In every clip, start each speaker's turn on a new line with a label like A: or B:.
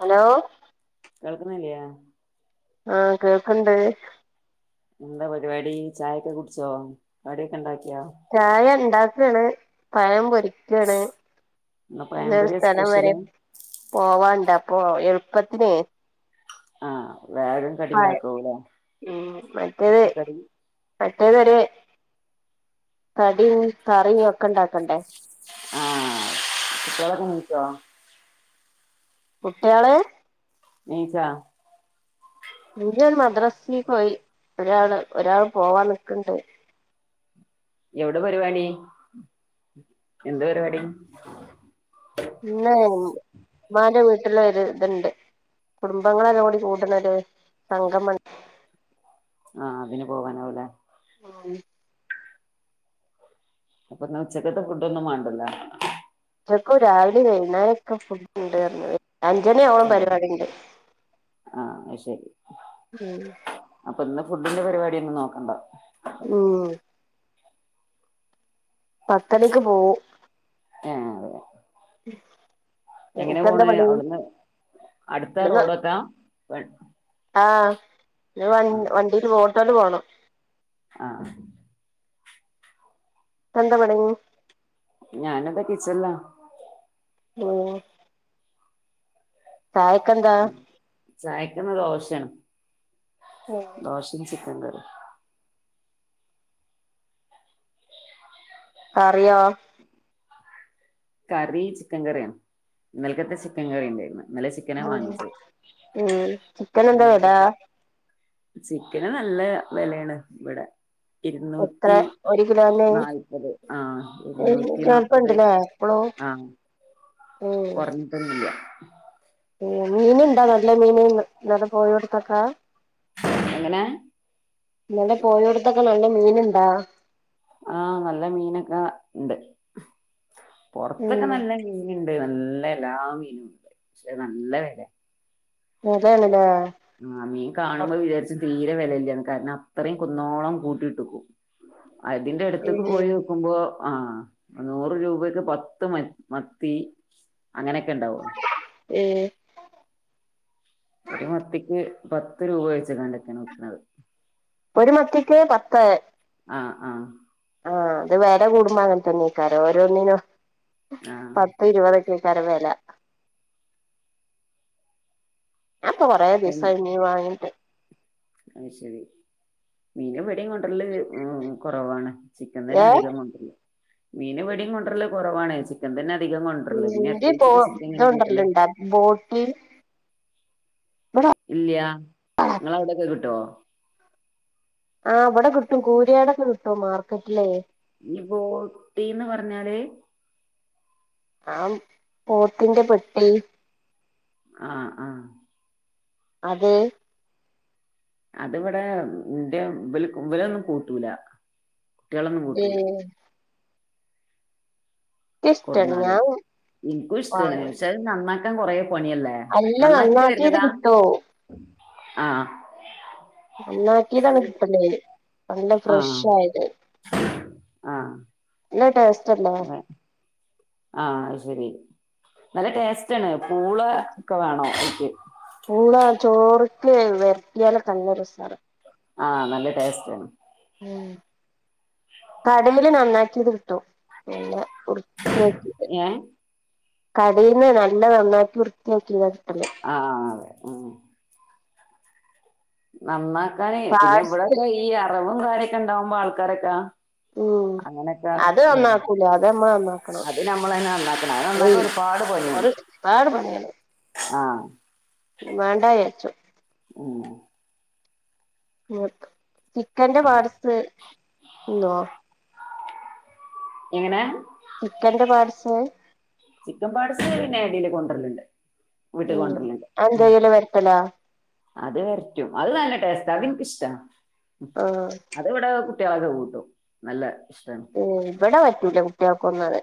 A: Hello
B: കേൾക്കുന്നില്ലേ
A: ആഹ കേൾക്കണ്ട്
B: എന്താ പരിപാടി ചായൊക്കെ കുടിച്ചോ കടിയൊക്കെ ഇണ്ടാക്കിയോ
A: ചായ ഇണ്ടാക്കാണ് പഴം പൊരി കണ് ഇന്ന് ഒരു
B: പഴംപൊരിയ
A: സ്ഥലം
B: സ്പെഷ്യല്
A: വരെ പോവാണ്ട് അപ്പൊ എളുപ്പത്തിനെ
B: ആ വേറെ
A: പഴം ഉം മറ്റേത്
B: എളുപ്പക്കടി
A: മറ്റേതൊരു കടിയും കറിയും ഒക്കെ ഉണ്ടാക്കണ്ടേ
B: ആഹ കുട്ടിളൊക്കെ നിച്ചോ
A: കുട്ട്യാള്
B: നീച്ചോ
A: വല്ല്യ ആള് ഒരു മദ്രാസേക്ക് പോയി ഒരാള് ഒരാൾ പോവാ നിക്കിണ്ട്
B: എവിടെ പരിപാടി എന്ത് പരിപാടി
A: പിന്ന ഉമ്മാന്റെ വീട്ടിൽ ഒരു ഇതുണ്ട് കുടുംബങ്ങളെല്ലും കൂടി കൂടണൊരു സംഗമം ഉണ്ട്
B: ആഹ് അതിന് പോവാനാവുല്ലെ
A: ആഹ്
B: അപ്പൊന്ന ഉച്ചക്കത്തെ ഫുഡ് ഒന്നും വേണ്ടല്ലോ
A: ഉച്ചക്കും രാവിലെ വൈുന്നര ഒക്കെ ഫുഡ്ണ്ട്റഞ് അഞ്ചണി ആവോളും പരിപാടി ഉണ്ട്
B: ആഹ് അത് ശരി അപ്പൊ ഇന്ന് ഫുഡിന്റെ പരിപാടിയൊന്നും നോക്കണ്ട
A: ഉം പത്തണിക്ക് പോവു
B: ഏ എങ്ങനെ
A: നിനക്കെന്താ
B: പോണേ
A: പണി
B: അവിടുന്ന് അടുത്ത
A: ഇവിടുന്ന്
B: റോഡൊക്കാ വൺ
A: ആഹ് ഞാ വണ്ടില് ഓട്ടോല് പോണം
B: ആഹ്
A: എന്ത പടങ്ങി
B: ഞാനതാ കിച്ചല്ലാ
A: മ്മേ. ചായക്കന്താ?
B: ചായക്ന് ദോശണ് ദോശയും ചിക്കൻ കറി.
A: കറിയോ.
B: കറി ചിക്കൻ കറിയാണ് ഇന്നൽകത്തെ ചിക്കൻ കറി ഉണ്ടായിരുന്നു. ഇന്നലെ ചിക്കന
A: ഉം
B: വാങ്ങിച്ചേ.
A: ചിക്കൻ എന്താ വില
B: ചിക്കന് നല്ല വെലയാണ് ഇവടെ
A: എത്ര
B: ഇരുന്നൂറ്റി
A: ഒരു കിലോന്
B: നാല്പത് ആ ഇരുന്നൂറ്റി നാല്പത്
A: പ്പളോ
B: കൊറഞ്ഞിട്ടന്നില്ല
A: ഏ മീൻ ഇണ്ടാ നല്ല മീൻ ഇന്നല പോയോട്ത്തൊക്കെ
B: എങ്ങനെ?
A: ഇന്നല പോയടുത്തൊക്കെ നല്ല മീൻണ്ടാ
B: ആഹ് നല്ല മീനൊക്കെ ഉണ്ട് പൊറത്തൊക്കെ
A: ഉം
B: നല്ല മീനുണ്ട് നല്ല എല്ലാ മീനും ഉണ്ട് പക്ഷെ നല്ല വേലെ
A: വെലേണ് ലേ.
B: ആ മീൻ കാണുമ്പോ വിചാരിച് തീരെ വിലയില്ലാന് കാരണം അത്രയും കുന്നോളം കൂട്ടിട്ട്ക്കും. അതിന്റെ അടുത്ത്ക്ക്
A: ഉം
B: പോയി ക്കുമ്പോ ആഹ് നൂറ് രൂപക്ക് പത്ത് മത്തി. അങ്ങനെയൊക്കെ ഉണ്ടാവോളു.
A: ഏഹ്
B: ഒരു മത്തിക്ക് പത്ത് രൂപ വെച്ങ്ങാണ്ടൊക്കെണ് വിക്ക്ണത്
A: ഒരു മത്തിക്ക് പത്ത്
B: ആഹ് ആഹ്
A: ആഹ് അത് വെല കൂടുമ്പോ അങ്ങനെത്തെന്നെക്കാരം ഓരോന്നിന്
B: ആഹ്
A: പത്ത് ഇരുപതൊക്കെ ക്കാരം വെല ഞപ്പൊ കൊറേ ദിവസായി മീൻ വാങ്ങി
B: അഹ് ശരി മീന് ബടം കൊണ്ടരല് കൊറവാണ് ചിക്കൻ തന്നെ
A: ഏഹ്
B: അധികം കൊണ്ടരല് മീൻ ബടെയും കൊണ്ടുവരല് കുറവാണ് ചിക്കൻ തന്നെ അധികം കൊണ്ടരല് പിന്നെ
A: ഈ ബോ
B: എത്രയച്ചിട്ട ചിക്കൻ ഇങ്ങനെ കൂട്ടല്
A: ഇതൊണ്ടല്ലോണ്ടാ ബോട്ടി ഇവിടെ
B: ഇല്ല നിങ്ങള അവിടെക്കെ കിട്ടുവ?
A: ആ അവിടെ കിട്ടും കൂര്യാടൊക്കെ കിട്ടും മാർക്കറ്റിലേ
B: ഈ ബോട്ടീന്ന് പറഞ്ഞാല്
A: ആ പോത്തിന്റെ പെട്ടി
B: ആഹ് ആഹ്
A: അത്
B: അതി ഇവിടെ ഇന്റെ ഇവല് വലൊന്നും കൂട്ടൂല കുട്ടിയളൊന്നും കൂട്ടൂല.
A: ഇക്ക്ഇഷ്ട ഞാൻ
B: കൊടുന്നാല് എനിക്കും ഇഷ്ട്ടാണ്
A: വാങ്ങും
B: പക്ഷാ നന്നാക്കാൻ കൊറെ പണിയല്ലേ
A: അല്ല
B: നന്നാക്കിട്ട്
A: നന്നാക്കിയത്
B: വരുന്നതാ.
A: കിട്ടോ
B: ആഹ്
A: നന്നാക്കീതാണ് കിട്ടണ്ടെ നല്ല
B: ആഹ്
A: ഫ്രഷയത്
B: ആഹ്
A: ല്ല ടേസ്റ്റല്ലേ.
B: ആഹ് ശരി നല്ല ടേസ്റ്റ് ആണ് പൂള ഒക്കെ വേണം എൻക്ക്
A: പൂള ചോറ്ക്ക് വരട്ടിയാലക്കെ നല്ലരസ
B: ആഹ് നല്ല ടേസ്റ്റ്
A: ഉം കടയില് നന്നാക്കിയത് കിട്ടും പിന്ന വൃത്തിയാക്കിട്ട്
B: ഏഹ്
A: കടീന്ന് നല്ല നന്നാക്കി വൃത്തിയാക്കിയത കിട്ടല്
B: ആഹ് അതെ ഉം നന്നാക്കാനേ പിന്നെ
A: പാഴ്സല്
B: ഇവിടൊക്കെ ഈ അറവും കാര്യൊക്കെ ഇണ്ടാവുമ്പോ ആൾക്കാരൊക്കെ
A: ഉം
B: അങ്ങനൊക്കെ
A: അത്
B: ഉം
A: നന്നാക്കൂല അത് നമ്മള് നന്നാക്കണം
B: അത് നമ്മളന്നെ നന്നാക്കണം അത്
A: ഏയ്
B: നന്നാക്കാനൊരു പാട് പണിയാണ്
A: ഒരു പാട് പണിയാണ്
B: ആഹ്
A: മാണ്ടാവിചാരിച്ചു
B: ഉം
A: നോക്ക് ചിക്കന്റെ പാട്സ് തിന്നോ
B: എങ്ങനെ
A: ചിക്കന്റെ പാട്സ്
B: ചിക്കൻ പാടസ് പിന്നെഎടീല് കൊണ്ടുവരലുണ്ട്
A: ഉം അത്
B: ഉം.
A: എന്ത്യയ്യലാ വരട്ടലാ
B: അത് വരറ്റും അത് നല്ല ടേസ്ററാ അത് എനിക്കിഷ്ടാ
A: ആഹ്
B: അത് ഇവിടെ കുട്ട്യാളൊക്കെ കൂട്ടും നല്ല ഇഷ്ടാണ്
A: ഉം ഇവിടെ പറ്റൂല കുട്ട്യാൾക്കൊന്നും അത്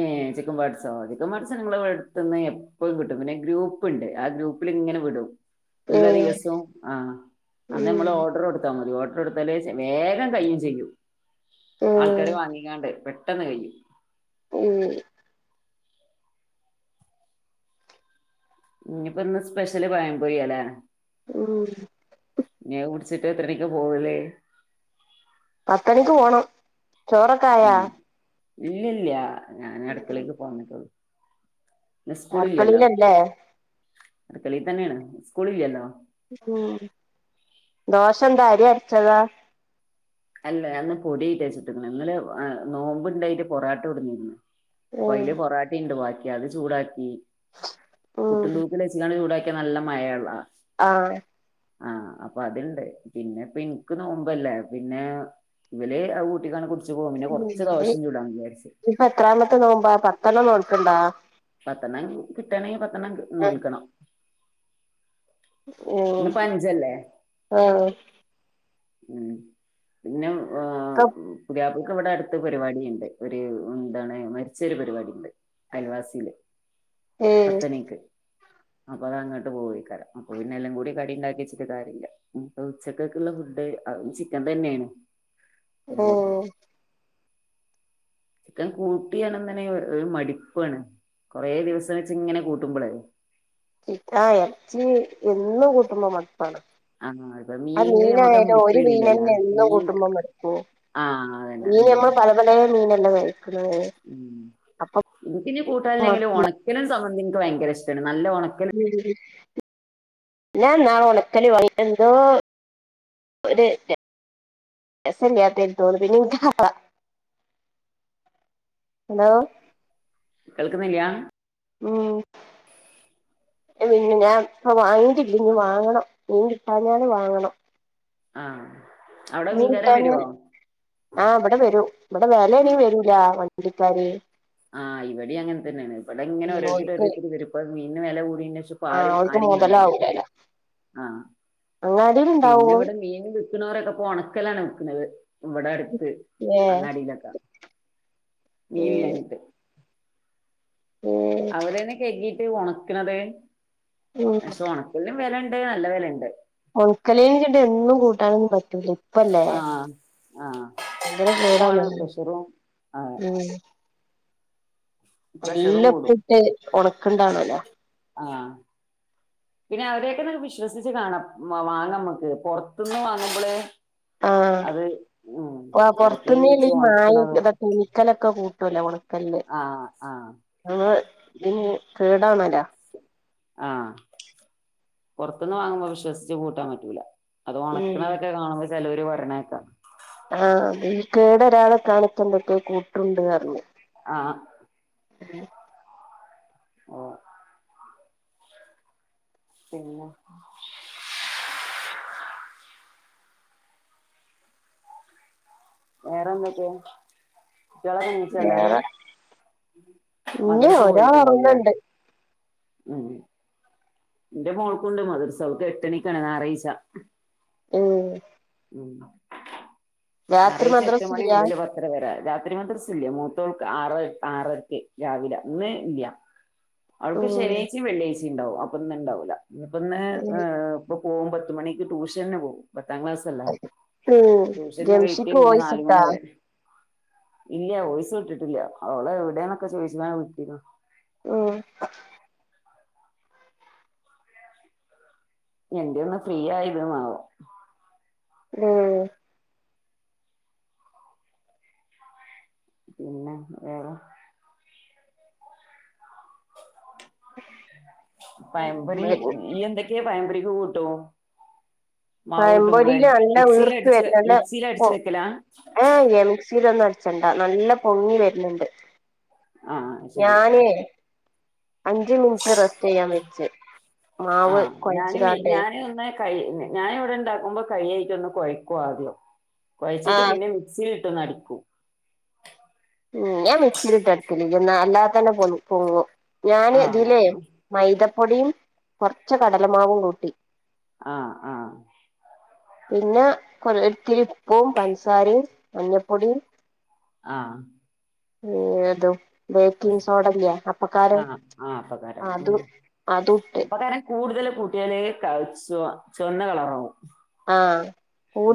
B: ഏ ചിക്കൻ പാട്സോ ചിക്കൻ പാട്സ് നങ്ങളുടെ ഇവിടെ അടുത്ത്ന്ന് എപ്പഴും കിട്ടും പിന്നെ ഗ്രൂപ്പ് പ്പുണ്ട് ആ ഗ്രൂപ്പിൽ ഇങ്ങനെ വിടും എല്ലാ
A: ഏഹ്
B: ദിവസവും ആ അന്ന്
A: ഉം
B: നമ്മള് ഓർഡർ കൊടുത്താൽ മതി ഓർ കൊടുത്തല് വെച്ചാ വേഗം കയ്യും ചെയ്യും
A: ഏഹ്
B: ആൾക്കാര് വാങ്ങിക്കാണ്ട് പെട്ടെന്ന് കയ്യും
A: ഉം
B: ഇനിയിപ്പോ ഇന്ന് സ്പെഷ്യല് പഴംപൊര്യാല്ലേ
A: ഉം
B: ഇനി അത് കുടിച്ചിട്ട് എത്രമണിക്കാ പോവല്
A: പത്ത് മണിക്ക് പോണം ചോറൊക്കെ ആയോ
B: ഇല്ലല്ല ഞൻ അടുക്കളേക്ക് ഇപ്പൊ വന്നിട്ടുള്ളൂ ഇന്ന് സ്കൂളില്ലല്ലോ
A: അടുക്കളയിലല്ലേ
B: അടുകളീ തന്നെയാണ് സ്കൂളില്ലല്ലോ
A: ഉം ദോശ എന്താ അരി അരച്ചതാ
B: അല്ല ഞാൻ ഇന്ന് പൊടിയ്റ്റാ ച്ചുട്ട് ക്ക്ണെ ഇന്നലെ നോമ്പുണ്ടായിട്ട് പൊറാട്ട കൊട്ന്നിരുന്നു അപ്പൊ
A: ഉം
B: അയില് പൊറാട്ടിം ഉണ്ട് ബാക്കി അത് ചൂടാക്കി പു
A: ഉം
B: ട്ടുംതൂക്കിൽ വെച് ങ്ങാണ്ട് ചൂടാക്കി ക്കെ നല്ല മയാണല്ലോ
A: ആഹ്
B: ആഹ് അപ്പൊ അതുണ്ട് പിന്നെപ്പൊ എനിക്ക് നോമ്പല്ലേ പിന്നെ ഇവല് അത് ക്കൂട്ടിങ്ങാണ്ട് കുടിച്ച് പോകും പിന്നെ കൊറച്ച് ദോശ ചൂടാന്ന് വിചാരിച്ചു
A: ഇപ്പൊഎത്രമത്തെ നോമ്പാ പത്തെണ്ണം നോൽക്ണ് ണ്ടോ
B: പത്തെണ്ണം കിട്ടാ ണങ്കിൽ പത്തെണ്ണം നോൽക്കണം
A: ഉം
B: ഇന്ന്പ്പോ അഞ്ചല്ലേ
A: ആഹ്
B: ഉം പിന്നെ ആ പുതിയാപ്പളക്ക് ഇവിടെ അടുത്ത് പരിപാടി ഉണ്ട് ഒരു എന്താണ് മരിച്ചൊരു പരിപാടി ഉണ്ട് അയൽവാസിയില്
A: ഏഹ്
B: പത്ത് മണി ക്ക് അപ്പൊ അത് അങ്ങോട്ട് പോവോ യ്ക്കാരം അപ്പൊ പിന്നെ എല്ലാം കൂടി കടി ഉണ്ടാക്കി വെച്ചിട്ട് കാര്യല്ല ഇപ്പൊ ഉച്ചക്കെക്കുള്ള ഫുഡ് അതും ചിക്കൻ തന്നെയാണ്
A: ഏഹ്
B: [unintelligible] ചിക്കൻ കൂട്ടിയണ തന്നെ ഒരു മടിപ്പണ് കൊറെ ദിവസം വെച്ച ഇങ്ങനെ കൂട്ടുമ്പോളേ
A: ഇക്ക് ആ എർച്ചി എന്നും കൂട്ടുമ്പോ മടു പ്പാണ്
B: ആ ഇപ്പൊ
A: അത്
B: മീനിന് നമുക്ക് ആ
A: മീനായലോ
B: മടിപ്പ്
A: ഒരു മീനെനെ എന്നും കൂട്ടുമ്പോ മടുക്കും
B: ആഹ് അതന്നെ
A: മീൻ
B: ഉം
A: നമ്മൾ പല പല മീനെല്ലാം കഴിക്കുന്നത് അപ്പൊ
B: ഇന്ക്ക് ന്നെ കൂട്ടാന്ല്ലെങ്കിലും ഒൺക്കലും സമ്മന്തി ൻക്ക് ഭയങ്കര ഇഷ്ട്ടാണ് നല്ല ഒണക്കല്
A: ഉം ഉം ഞ്ഞാ ന്നാള് ഒണക്കല് വങ്ങിറ്റ് എന്തോ ഒരു ര സല്ലാത്തയ്ന് തോന്ന്ണ് പിന്നെ ൻക് [unintelligible] ഹലോ
B: കേൾക്കുന്നില്ല [inaudible]
A: പിന്ന ഞാൻ ഇപ്പൊ വാങ്ങിട്ടില്ല ഇനി വാങ്ങണം നീൻ കിട്ടാഞാല് വാങ്ങണം
B: ആഹ്
A: മീൻ കിട്ടാഞ്ഞാൽ ആ ഇവടെ വരും ഇവടെ വെലയാണേൽ വരൂല വണ്ടിക്കാര്
B: ആ ഇവിടിം അങ്ങൻ തന്നേണ് ഇബടെ ങ്ങനെ
A: ഉം
B: ഓരോര്ത്തര്
A: ഓൽക്ക്
B: ഓരോര്ത്തര് വരും ഇപ്പൊ മീൻന് വെല കൂടീനേഷം ഇപ്പൊ
A: ആഹ്
B: ആരും
A: ഓൽക്ക്
B: ആരേം കാണാല്ല്യ
A: മൊതലാവൂലല്ല
B: പിന്നെ
A: അങ്ങാടിയിലുണ്ടാവും
B: വടെ മീന് വിക്ക്ണോരൊക്കെ പ്പൊ ഒണക്കലാണ് വിക്കുന്നത് ഇവ്ടെട്ത്ത്
A: ഏഹ്
B: അങ്ങാടിയിലൊക്കെ മീന്
A: ഉം
B: ല്യാഞ്ഞിട്ട്
A: ഉം
B: അവ്ടേണ് കഴ്കീട്ട് ഒണക്ക്ണത്
A: ഉം
B: പക്ഷേ ഒണക് ൽനും വെലണ്ട് നല്ല വെലണ്ട്
A: ഒൺക്കലീന് ച്ച്ട്ട് എന്നും കൂട്ടാനൊന്നും പറ്റൂല ഇപ്പല്ലേ
B: ആഹ് ആഹ്
A: ഭയങ്കര
B: ആണ്
A: കേടാന്നത്
B: പ്രഷറും ആഹ്
A: ഉം
B: പ്രഷറും കൂടും
A: നല്ലപ്പ്ട്ട് ഒണക്ക്ണ്ടാണല്ലോ
B: ആഹ് പിന്നെ അവരേക്കന്നൊക്കെ വിശ്വസിച്ച് കാണാം വാങ്ങാം മ്മക്ക് പൊർത്ത്ന്ന് വാങ്ങുമ്പള്
A: ആഹ്
B: അത് ഉം എവ്ടൊക്കെ വെച്ച് ഒൺക്ക്ണതും
A: കുഞ്ഞിക്കലൊക്കെ കൂട്ടുവല്ലോ ഉണക്കല്ല്
B: ആഹ് ആഹ്
A: അമ്മളെ തിന് കേടാണല്ല
B: ആ പൊർത്ത്ന്ന് വാങ്ങുമ്പോ വിശ്വസിച്ച് കൂട്ടാൻ പറ്റൂല അത്
A: ഉം
B: ഒണക്ക്ണതൊക്കെ കാണുമ്പോ ചെലോര് വർണേക്കാ
A: ആ മീൻ കേടെരാതെക്കാന് പ്പൊന്തൊക്കെ കൂട്ടുരുണ്ട്ർഞ്ഞു
B: ആഹ്
A: ഉം
B: ഓ പിന്നെ വേറെന്തൊക്കെ കുട്ടികളക്കെ നീച്ചോ എല്ലാരും
A: വേറെ ഇല്ല
B: മദർസ്
A: ഒരാൾ
B: പോയിട്ടുണ്ടാവല്ലേ
A: ഉറങ്ങണ്ട്
B: ഉം ന്റെ മോൾക്കുണ്ട് മദർസ് അവക്ക് എട്ടണിക്കണ് ഞ്ഞാറെയ്ച്ച
A: ഉം
B: ഉം
A: രാത്രി
B: ഞ്ഞാറെയ്ച്ച എട്ട്
A: മദ്രസ
B: മണി
A: ഇല്ല
B: മുതൽ പത് രവരേ രാത്രി മദർസ് ല്യ മൂത്തോൾക്ക് ആറ ആറരക്ക് രാവിലെ ഇന്ന് ഇല്യ അവൾക്ക്
A: ഉം
B: ശനിയാ്ഴ് ച്ചിം വെള്ളിയാഴ്ച്ചിം ണ്ടാവും അപ്പൊന്ന് ണ്ടാവൂല ഞ്ഞിപ്പന്ന് ആ ഇപ്പ പോകും പത്ത് മണിക്ക് ട്യൂഷന് പോകും പത്താം ക്ലാസ് ത്ത്ല്ലേ
A: ഉം
B: ട്യൂഷന് വൊയ്റ്റ്
A: ജംഷിക്ക്
B: പിന്നെ
A: വോയിസ്
B: നാലുമണി
A: ഇട്ടാ
B: വരെ ഇല്യ വോയ്സ് വിട്ടിട്ടില്ല അവള് എവ്ടെന്നൊക്കെ ചോതിച്ച്ങ്ങാണ്ട് വിട്ടീന്നു
A: ഉം
B: എന്ത്യാ ഒന്ന് ഫ്രീ ആയത് ന്നാവം
A: ഉം
B: പിന്നെ വേറെ പയംമ്പൊരി നീ എന്തൊക്കെയാ പയംമ്പൊരിക്ക് കൂട്ടുവോ മാവ് കിട്ടുമ്പളേ
A: പഴംപൊരിയിൽ നല്ല
B: മിക്സിൽ
A: വീർപ്പ്
B: അടിച്ച് മിക്സിൽ അടിച്ചു വെക്കലാ
A: ആഹ് മിക്സിൽ ഒന്നും അടിച്ചണ്ടാ നല്ല പൊങ്ങി വരുന്നുണ്ട്
B: ആഹ് ശെരി
A: ഞാനേ അഞ്ച് മിനിറ്റ് റെസ്റ്റ് ചെയ്യാൻ വെച്ച് മാവ് കൊഴച്ചിലാണ്ട്
B: കഴിഞ്ഞ് ഞാനിവിടെ ഇണ്ടാക്കുമ്പോ കയായിട്ടൊന്ന് കൊയക്കുവാദ്യം കുഴച്ചിട്ട്
A: ആഹ്
B: പിന്നെ മി സിയിലിട്ടൊന്നടിക്കും
A: ഉം ഞാൻ മിക്സീല് ഇട്ട് അടിക്കൊന്നൂല അല്ലാതെ തന്നെ പൊ പൊങ്ങു ഞാന്
B: ആഹ്
A: ഇതില്ലേ മൈദപ്പൊടിയും കുറച്ച് കടലമാവും കൂട്ടി
B: ആഹ് ആഹ്
A: പിന്ന ഇത്തിരി ഉപ്പും പൻസാരയും മഞ്ഞപ്പൊടിയും
B: ആഹ്
A: ഉം അതും ബേക്കിംഗ് സോഡയില്ലേ അപ്പക്കാരം
B: ആഹ് ആഹ് അപ്പക്കാരം ഉം
A: അതും അതും ഇട്ട്
B: അപ്പക്കാരം കൂടുതല് കൂട്ടിയാലേ ചൊ ചുവന്ന കളറാവും
A: ആ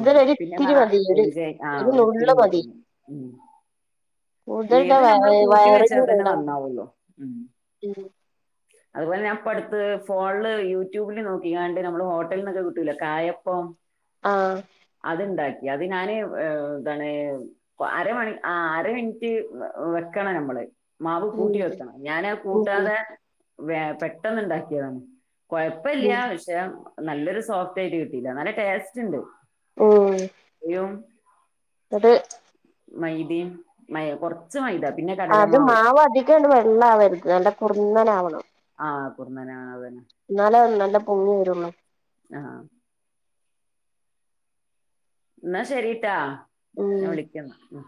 B: ഉം പിന്നെ
A: ഒരിത്തിരി
B: കാണാ
A: മതി ഒരു
B: ചെ ആഹ്
A: ഒരു നുള്ള്
B: ഒരിത്തിരി
A: മതി
B: കൂട്ടിയാ ഉം
A: കൂടുതൽ ഇട്ടാ
B: ഏത് നമ്മള്
A: വയറ്
B: കൂട്ടി വെച്ചാ
A: വയറിന്
B: തന്നെ
A: കേടാ
B: നന്നാവുള്ളൂ. ഉം
A: ഉം
B: അതുപോലെ ഞാൻ ഇപ്പം അടുത്ത് ഫോണിൽ യൂട്യൂബില് നോക്കിക്കാണ്ട് നമ്മള് ഹോട്ടലിൽ നിന്നൊക്കെ കിട്ടൂലെ കായം ഇപ്പോം
A: ആഹ്
B: അതുണ്ടാക്കി അത് ഞാനേ എന്താണ് അര മണി ആ അര മിനിറ്റ് വെക്കണം നമ്മള് മാവ്
A: ഉം
B: കൂട്ടി വെക്കണം ഞാന്
A: ഉം
B: കൂട്ടാതെ വെ പെട്ടെന്നുണ്ടാക്കിയതാണ് കൊഴപ്പയില്ല
A: എന്നിട്ട്
B: പക്ഷേ നല്ലൊരു സോഫ്റ്റ് ആയിട്ട് കിട്ടീല്ല നല്ല ടേസ്റ്റ് ഉണ്ട് യും
A: അത്
B: മൈദയും മൈ കൊറച്ച് മൈദ പിന്നെ കടലമാവ്
A: ട്ടോണ്ട് വെള്ള ആവരുത് നല്ല കുറുന്നനാവണം
B: ആ കുർന്നനെ ആവണം
A: എന്നാലെ അത് നല്ല പൊങ്ങി വരുവൊള്ളോ
B: ആഹ് എന്നാ ശരിട്ടാ ഞാൻ
A: ഉം
B: വിളിക്കാം എന്നാ